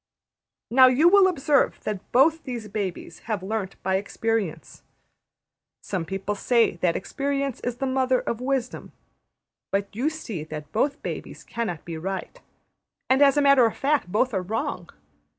Now you will observe that both these babies have learnt by experience. Some people say that experience is the mother of Wisdom; but you see that both babies cannot be right; and, as a matter of fact, both are wrong.